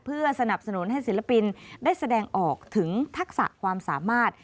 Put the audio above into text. เพื่อสนับสนุนให้ศิลปินได้แสดงออกถึงทักษะความสามารถ